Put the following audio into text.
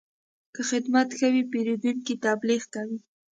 که خدمت ښه وي، پیرودونکی تبلیغ کوي.